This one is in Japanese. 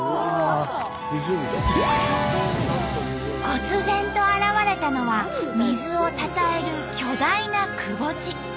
こつ然と現れたのは水をたたえる巨大な窪地。